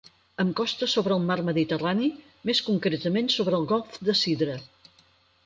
Amb costa sobre el Mar Mediterrani, més concretament sobre el Golf de Sidra.